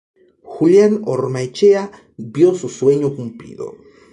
Julián Hormaechea vio su sueño cumplido.